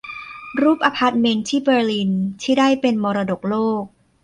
รูปอพาร์ตเมนต์ที่เบอร์ลิน ที่ได้เป็นมรดกโลก